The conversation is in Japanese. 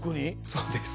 そうです。